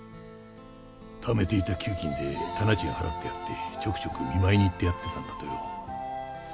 ためていた給金で店賃払ってやってちょくちょく見舞いに行ってやってたんだとよ。